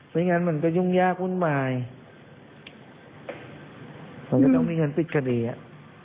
งั้นมันก็ยุ่งยากวุ่นวายมันก็ต้องมีเงินปิดคดีอ่ะ